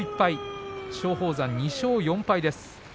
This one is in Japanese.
松鳳山は２勝４敗です。